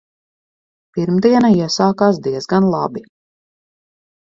Pirmdiena iesākās diezgan labi.